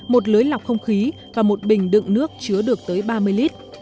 một lưới lọc không khí và một bình đựng nước chứa được tới ba mươi lít